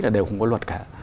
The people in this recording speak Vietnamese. là đều không có luật cả